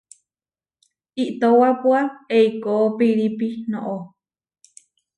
Iʼtowápua eikó piirípi noʼó.